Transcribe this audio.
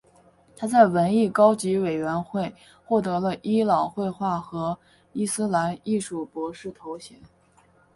他在文艺高级委员会获得了伊朗绘画和伊斯兰艺术博士头衔。